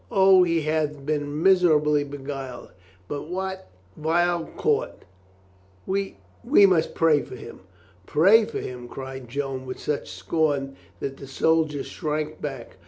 O, he hath been miserably beguiled by that vile court. .,. We — we must pray for him." "Pray for him !" cried Joan with such scorn that the soldier shrank back.